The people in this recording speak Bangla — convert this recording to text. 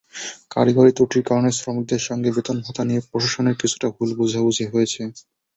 কারিগরি ত্রুটির কারণে শ্রমিকদের সঙ্গে বেতন-ভাতা নিয়ে প্রশাসনের কিছুটা ভুল বোঝাবুঝি হয়েছে।